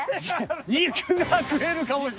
肉が食えるかもしれない。